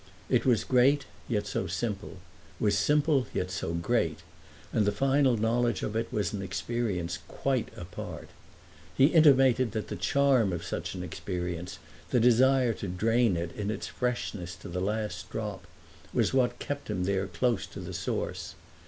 It was great, yet so simple, was simple, yet so great, and the final knowledge of it was an experience quite apart. He intimated that the charm of such an experience, the desire to drain it, in its freshness, to the last drop, was what kept him there close to the source.